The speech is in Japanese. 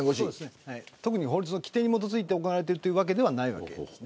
法律の規定に基づいて行われているというわけではありません。